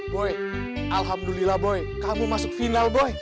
boy alhamdulillah boy kamu masuk final boy